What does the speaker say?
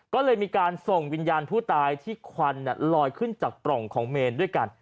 ก็เลยมีการส่งวิญญาณผู้ตายที่ควันลอยขึ้นจากปล่องของเมนด้วยกัน